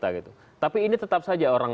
ada satu pers bawang